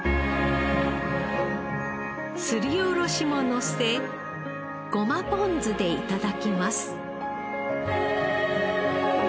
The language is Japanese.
すりおろしものせごまポン酢で頂きます。